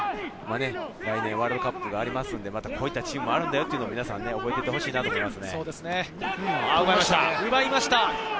来年ワールドカップがありますので、こういうチームがあるんだよというのも覚えておいてほしいと思います。